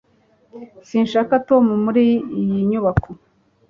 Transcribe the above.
Sinshaka Tom muri iyi nyubako